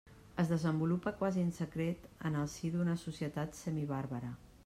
Es desenvolupa quasi en secret en el si d'una societat semibàrbara.